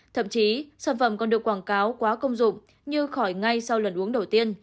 thậm chí sản phẩm còn được quảng cáo quá công dụng như khỏi ngay sau lần uống đầu tiên